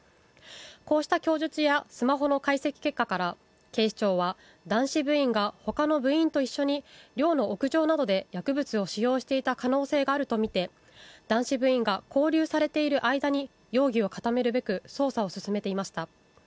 こうした供述やスマホの解析結果から警視庁は男子部員が他の部員と一緒に寮の屋上などで薬物を使用していた可能性があるとみて男子部員が勾留されている間に容疑を固めるべく捜査を進めていました。